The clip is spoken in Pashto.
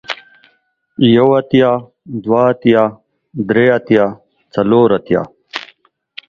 يو اتيا ، دوه اتيا ، دري اتيا ، څلور اتيا ،